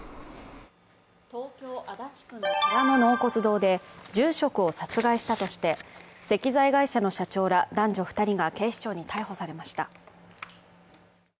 東京・足立区の寺の納骨堂で住職を殺害したとして石材会社の社長ら男女２人が警視庁に逮捕されました。